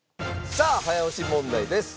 さあ早押し問題です。